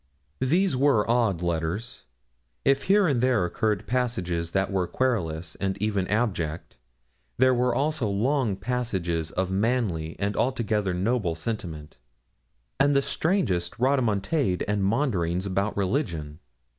These were odd letters. If here and there occurred passages that were querulous and even abject, there were also long passages of manly and altogether noble sentiment, and the strangest rodomontade and maunderings about religion.